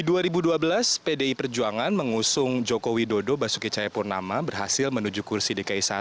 di dua ribu dua belas pdi perjuangan mengusung joko widodo basuki cahayapurnama berhasil menuju kursi dki satu